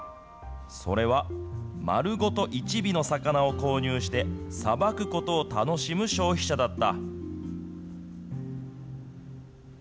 それは、丸ごと一尾の魚を購入して、さばくことを楽しむ消費者だった。